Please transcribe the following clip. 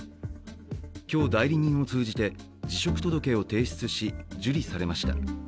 今日、代理人を通じて、辞職届を提出し受理されました。